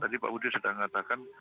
tadi pak budi sudah mengatakan